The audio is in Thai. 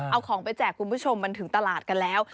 เอาของไปแจกคุณผู้ชมมันถึงตลาดกันแล้ว